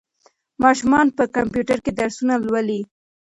ماشومان په کمپیوټر کې درسونه لولي.